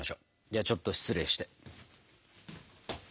ではちょっと失礼して。